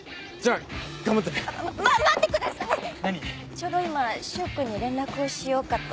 ちょうど今柊君に連絡をしようかと。